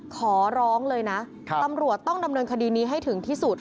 ขอร้องเลยนะตำรวจต้องดำเนินคดีนี้ให้ถึงที่สุด